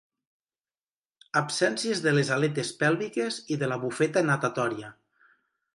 Absències de les aletes pèlviques i de la bufeta natatòria.